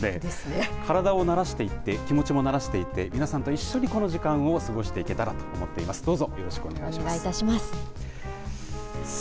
体をならしていって、気持ちも慣らしていって、皆さんと一緒にこの時間を過ごしていけたらと思っています。